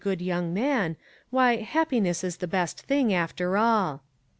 445 good young man, why, happiness is the best thing, after all."